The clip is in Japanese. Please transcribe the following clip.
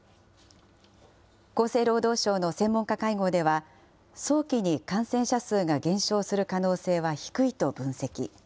厚生労働省の専門家会合では、早期に感染者数が減少する可能性は低いと分析。